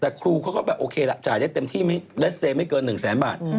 แต่ครูเขาก็แบบโอเคละจ่ายได้เต็มที่เลสเตย์ไม่เกิน๑แสนบาท